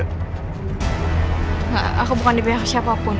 enggak aku bukan di pihak siapapun